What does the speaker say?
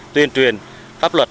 tuyên truyền pháp luật